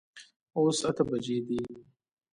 اوس اته بجي دي